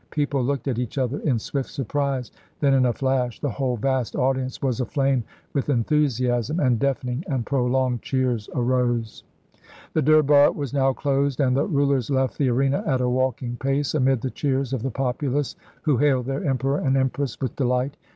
" People looked at each other in swift surprise. Then in a flash the whole vast audience was aflame with enthusi asm, and deafening and prolonged cheers arose." The Durbar was now closed, and the rulers left the arena at a walking pace, amid the cheers of the populace who hailed their Emperor and Empress with delight.